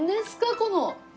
この。